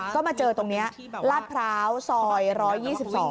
ก็มาเจอตรงนี้ลาดพร้าวซอย๑๒๒